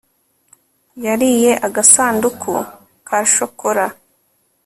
yariye agasanduku ka shokora